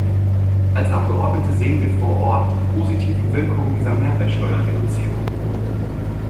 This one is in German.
Als Abgeordnete sehen wir vor Ort die positiven Wirkungen dieser Mehrwertsteuerreduzierungen.